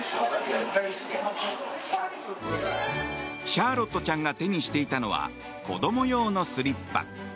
シャーロットちゃんが手にしていたのは子供用のスリッパ。